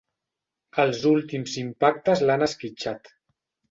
Els últims impactes l'han esquitxat.